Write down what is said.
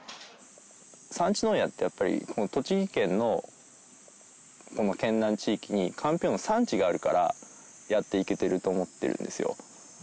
産地問屋ってやっぱり栃木県の県南地域にかんぴょうの産地があるからやっていけてると思ってるんですよ。